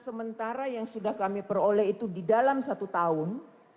sementara yang sudah kami peroleh itu di dalam satu tahun